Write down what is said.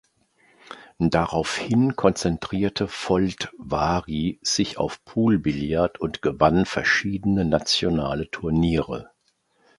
Daraufhin konzentrierte Foldvari sich auf Poolbillard und gewann verschiedene nationale Turniere.